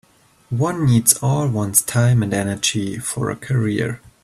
One needs all one's time and energy for a career.